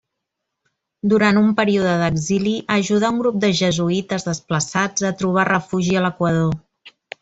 Durant un període d'exili, ajudà un grup de jesuïtes desplaçats a trobar refugi a l'Equador.